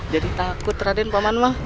jadi takut raden paman mah